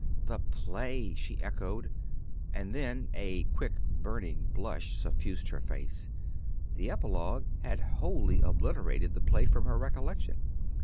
"The play!" she echoed, and then a quick burning blush suffused her face. The epilogue had wholly obliterated the play from her recollection.